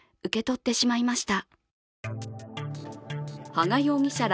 羽賀容疑者ら